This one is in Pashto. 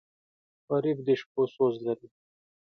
غریب د شپو سوز لري